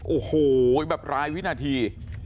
โอ้โหแบบรายวินาที